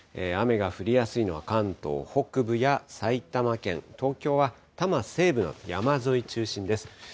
雨が降りやすいのは関東北部や埼玉県、東京は多摩西部など、山沿い中心です。